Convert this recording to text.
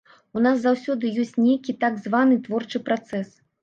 У нас заўсёды ёсць нейкі так званы творчы працэс.